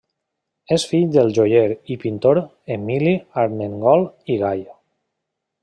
És fill del joier i pintor Emili Armengol i Gall.